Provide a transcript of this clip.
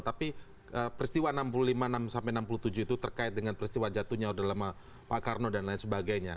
tapi peristiwa enam puluh lima enam sampai enam puluh tujuh itu terkait dengan peristiwa jatuhnya udah lama pak karno dan lain sebagainya